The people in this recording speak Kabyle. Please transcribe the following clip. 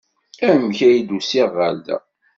Amek ay d-usiɣ ɣer da?